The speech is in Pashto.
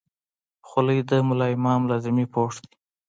خولۍ د ملا امام لازمي پوښ دی.